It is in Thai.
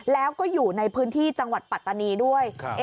แล้วก็อยู่ในพื้นที่จังหวัดปัตตานีด้วย